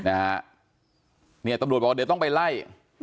ตำรวจบอกว่าเดี๋ยวต้องไปไล่